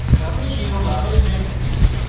گھر ني شيزون لاوي سي